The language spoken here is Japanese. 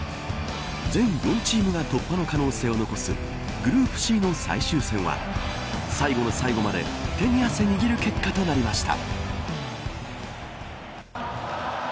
全４チームが突破の可能性を残すグループＣの最終戦は最後の最後まで手に汗握る結果となりました。